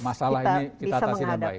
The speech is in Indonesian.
masalah ini kita atasi dengan baik